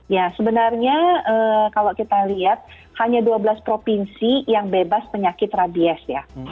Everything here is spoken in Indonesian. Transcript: ya sebenarnya kalau kita lihat hanya dua belas provinsi yang bebas penyakit rabies ya